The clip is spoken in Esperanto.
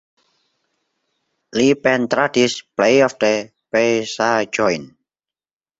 Li pentradis plej ofte pejzaĝojn.